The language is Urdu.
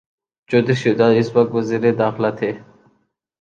چوہدری شجاعت اس وقت وزیر داخلہ تھے۔